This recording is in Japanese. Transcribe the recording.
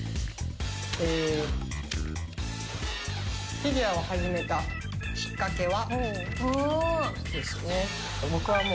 フィギュアを始めたきっかけは？